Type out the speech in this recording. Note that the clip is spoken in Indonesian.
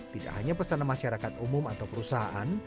tidak hanya pesanan masyarakat umum atau perusahaan